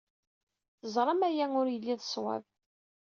Teẓram aya ur yelli d ṣṣwab.